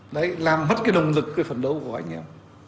đấy làm hết cái động lực cái phấn đấu của anh em